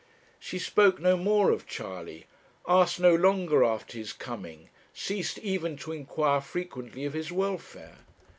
She spoke no more of Charley, asked no longer after his coming, ceased even to inquire frequently of his welfare.